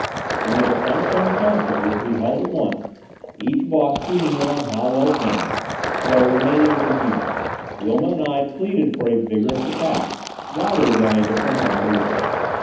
In the ultronophone council which we held at once, each Boss tuning in on Hallwell's band, though remaining with his unit, Wilma and I pleaded for a vigorous attack rather than a defensive maneuver.